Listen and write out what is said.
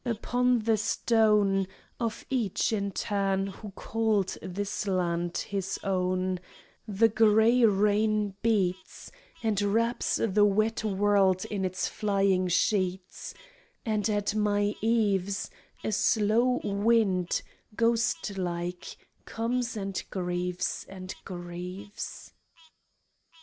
Upon the stone Of each in turn who called this land his own The gray rain beats And wraps the wet world in its flying sheets, And at my eaves A slow wind, ghostlike, comes and grieves and grieves.